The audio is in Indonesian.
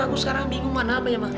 aku sekarang bingung warna apa ya ma